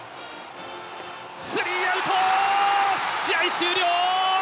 スリーアウト試合終了。